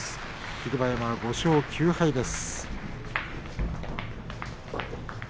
霧馬山は５勝９敗です。